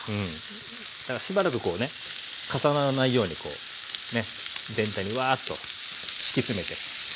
だからしばらくこうね重ならないようにこうね全体にわあっと敷き詰めて。